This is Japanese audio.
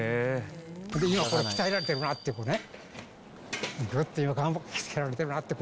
今、鍛えられてるなっていうね。